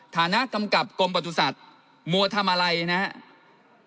ฐานะกำกับกรมประสุทธิ์มัวทำอะไรนะครับ